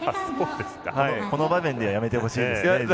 この場面ではやめてほしいですね。